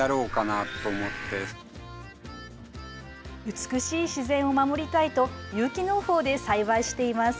美しい自然を守りたいと有機農法で栽培しています。